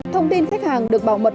thông tin khách hàng được bảo mật